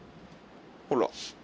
ほら。